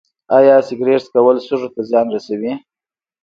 ایا سګرټ څکول سږو ته زیان رسوي